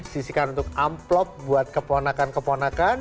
sisikan untuk amplop buat keponakan keponakan